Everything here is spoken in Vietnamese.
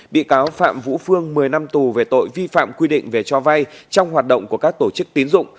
bị cáo phạm vũ phương một mươi năm tù về tội vi phạm quy định về cho vay trong hoạt động của các tổ chức tín dụng